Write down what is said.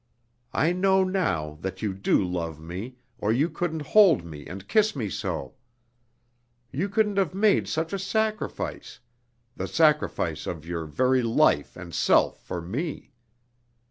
I know now that you do love me, or you couldn't hold me and kiss me so. You couldn't have made such a sacrifice the sacrifice of your very life and self for me.